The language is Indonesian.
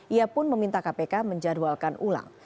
ia pun meminta kpk menjadwalkan ulang